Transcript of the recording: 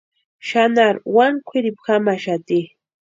Xanharu wani kʼwiripu jamaxati.